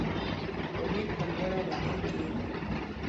مومن پر لوړه غونډۍ کېږدئ.